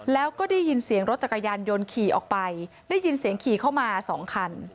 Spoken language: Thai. แล้วก็ได้ยินเสียงรถจักรยานยนต์ขี่ออกไปได้ยินเสียงขี่เข้ามาสองคัน